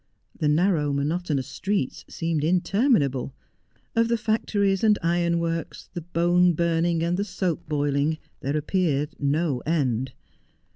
The narrow, monotonous streets seemed inter minable ; of the factories and ironworks, the bone burning and the soap boiling, there appeared no end.